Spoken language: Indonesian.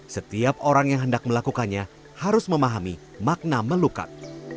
setiap orang yang hendak melakukannya harus memahami makna melukat